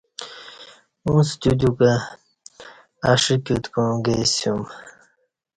ا څہ تودیوکں ا ݜہ کیوت کوݩع گے سیوم